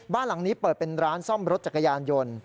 บ้านหลังนี้เปิดเป็นร้านซ่อมรถจักรยานยนต์